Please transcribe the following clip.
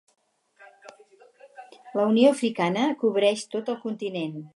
La Unió Africana cobreix tot el continent.